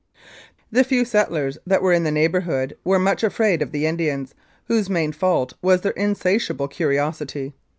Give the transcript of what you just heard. The few settlers that were in that neighbourhood were much afraid of the Indians, whose main fault was their insatiable curiosity.